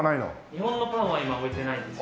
日本のパンは今置いてないです。